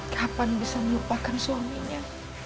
kapan bisa melupakan suaminya